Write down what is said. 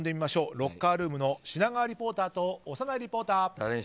ロッカールームの品川リポーターと小山内リポーター。